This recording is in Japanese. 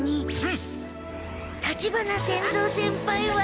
立花仙蔵先輩は。